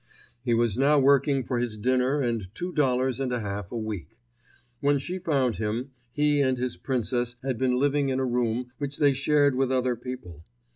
He was now working for his dinner and two dollars and a half a week. When she found him, he and his princess had been living in a room which they shared with other people.